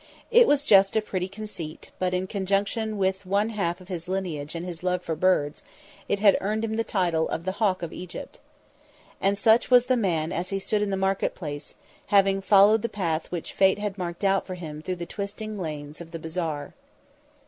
It was just a pretty conceit, but in conjunction with one half of his lineage and his love for his birds, it had earned him the title of "The Hawk of Egypt." And such was the man as he stood in the market place, having followed the path which Fate had marked out for him through the twisting lanes of the bazaar.